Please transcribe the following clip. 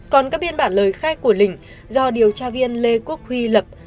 còn các biên bản lời khai của linh do điều tra viên lê quốc huy lập